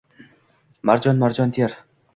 Marjon-marjon ter…